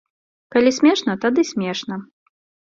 Калі смешна, тады смешна.